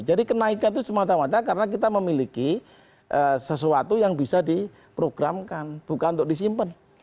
jadi kenaikan itu semata mata karena kita memiliki sesuatu yang bisa diprogramkan bukan untuk disimpan